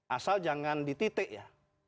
asal jangan dititik ya